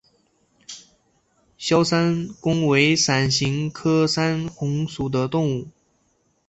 鞘山芎为伞形科山芎属的植物。